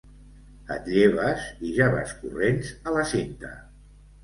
Et lleves i ja vas corrents a la cinta.